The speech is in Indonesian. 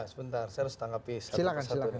sebentar saya harus tanggapi satu ini